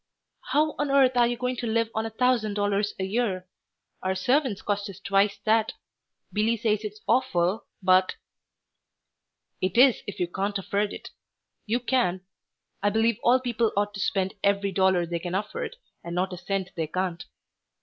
"How on earth are you going to live on a thousand dollars a year? Our servants cost us twice that. Billy says it's awful, but " "It is if you can't afford it. You can. I believe all people ought to spend every dollar they can afford, and not a cent they can't.